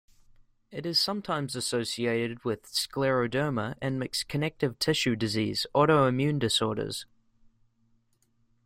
It is sometimes associated with scleroderma and mixed connective tissue disease, auto-immune disorders.